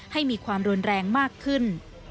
ให้มีความรุนแรงมากขึ้น